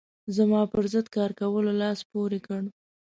زما پر ضد کار کولو لاس پورې کړ.